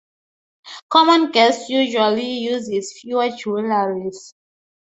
Common guests usually uses fewer jewelries.